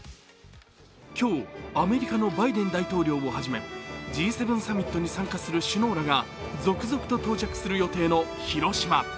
今日、アメリカのバイデン大統領をはじめ、Ｇ７サミットに参加する首脳らが続々と到着する予定の広島。